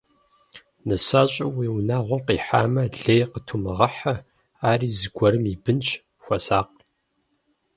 Нысащӏэ уи унагъуэм къихьамэ, лей къытумыгъыхьэ, ари зыгуэрым и бынщ, хуэсакъ.